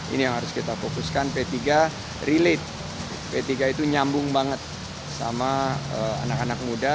ini yang harus kita fokuskan p tiga relate p tiga itu nyambung banget sama anak anak muda